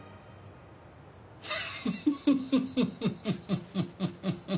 フフフフッ！